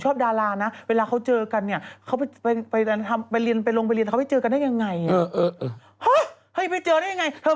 ช่วงนี้กลัวคนมาตีหลายกรณีเหลือเกินคุณแม่มาก็โยนให้หนูตลอด